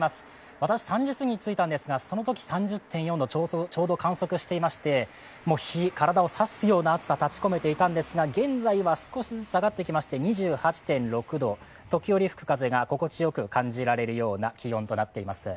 私、３時すぎについたんですがそのとき３０．４度をちょうど観測していまして日、体を刺すような暑さが立ち込めていたんですが、現在は下がってきまして、２８．６度、時折吹く風が心地よく感じられるような気温となっています。